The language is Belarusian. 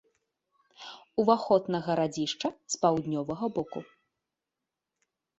Уваход на гарадзішча з паўднёвага боку.